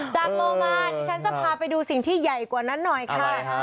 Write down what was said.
จากโรมาฉันจะพาไปดูสิ่งที่ใหญ่กว่านั้นหน่อยคะอะไรคะ